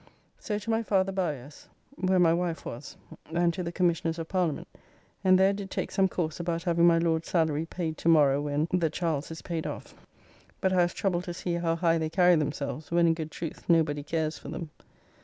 So to my father Bowyer's where my wife was, and to the Commissioners of Parliament, and there did take some course about having my Lord's salary paid tomorrow when; the Charles is paid off, but I was troubled to see how high they carry themselves, when in good truth nobody cares for them.